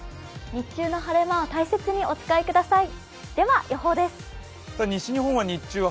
日中の晴れ間を大切にお使いください。